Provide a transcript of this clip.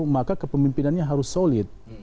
maka kepemimpinannya harus solid